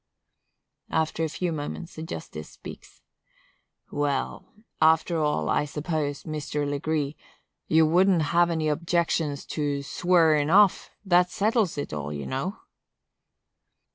After a few moments the justice speaks: "Well, after all, I suppose, Mr. Legree, you wouldn't have any objections to swarin' off; that settles it all, you know."